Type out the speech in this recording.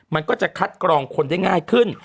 มันก็จะคัดกรองคนได้ง่ายขึ้น